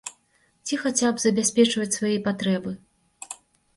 Ці хаця б забяспечваць свае патрэбы.